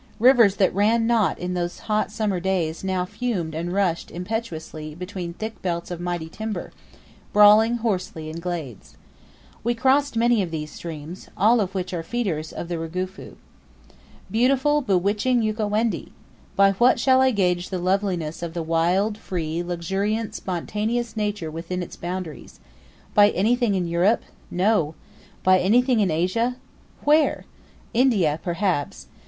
Rivers that ran not in those hot summer days now fumed and rushed impetuously between thick belts of mighty timber, brawling hoarsely in the glades. We crossed many of these streams, all of which are feeders of the Rugufu. Beautiful, bewitching Ukawendi! By what shall I gauge the loveliness of the wild, free, luxuriant, spontaneous nature within its boundaries? By anything in Europe? No. By anything in Asia? Where? India, perhaps.